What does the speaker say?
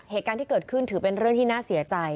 เหตุการณ์ที่เกิดขึ้นถือเป็นเรื่องที่น่าเสียใจ